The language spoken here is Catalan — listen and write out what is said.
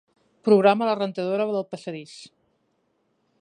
Programa la rentadora del passadís.